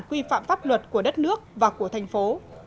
quy phạm pháp luật của đất nước và của thành phố